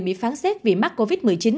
bị phán xét vì mắc covid một mươi chín